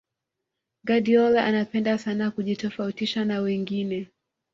guardiola anapenda sana kujitofautisha na wengine